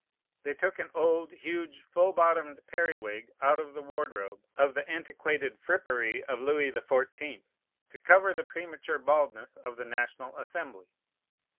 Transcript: They took an old, huge, full bottomed periwig out of the wardrobe of the antiquated frippery of Louis the Fourteenth, to cover the premature baldness of the National Assembly.